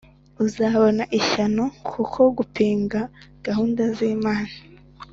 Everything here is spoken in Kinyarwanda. uzabona ishyano Kuko gupinga gahunda zimana